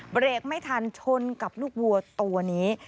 เบรกไม่ทันชนกับลูกวัวตัวนี้